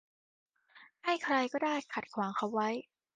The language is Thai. ให้ใครก็ได้ขัดขวางเขาไว้